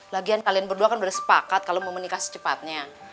lagian kalian berdua kan udah sepakat kalau mau menikah secepatnya